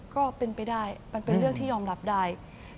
ก็เป็นไปได้มันเป็นเรื่องที่ยอมรับได้